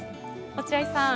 落合さん。